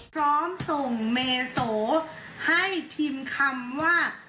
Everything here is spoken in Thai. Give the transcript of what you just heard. พร้อมส่งเมโสให้พิมพ์คำว่า